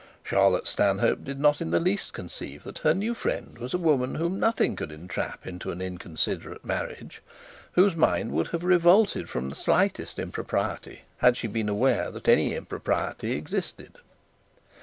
Charlotte Stanhope did not in the least conceive that her new friend was a woman whom nothing could entrap into an inconsiderate marriage, whose mind would have revolted from the slightest impropriety had she been aware that any impropriety existed.